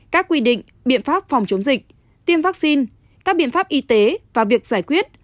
các quy định biện pháp phòng chống dịch tiêm vaccine các biện pháp y tế và việc giải quyết